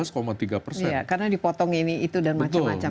karena dipotong ini itu dan macam macam